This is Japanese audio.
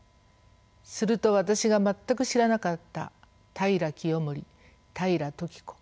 すると私が全く知らなかった平清盛平時子